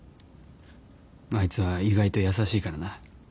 あいつは意外と優しいからな。